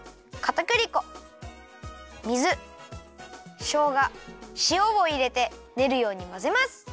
かたくり粉水しょうがしおをいれてねるようにまぜます。